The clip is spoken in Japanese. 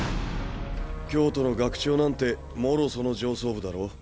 京都の学長なんてもろその上層部だろ？